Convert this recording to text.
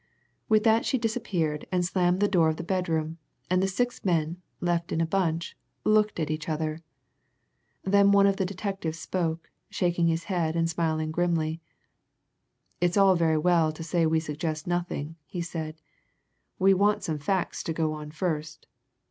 With that she disappeared and slammed the door of the bedroom, and the six men, left in a bunch, looked at each other. Then one of the detectives spoke, shaking his head and smiling grimly. "It's all very well to say we suggest nothing," he said. "We want some facts to go on first.